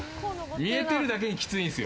見えてるだけにきついんですよ。